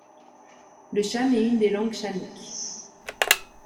Le cham est une des langues chamiques.